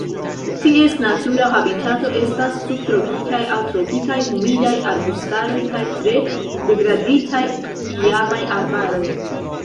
Ties natura habitato estas subtropikaj aŭ tropikaj humidaj arbustaroj kaj tre degraditaj iamaj arbaroj.